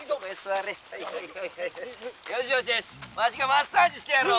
よしよしよしワシがマッサージしてやろう」。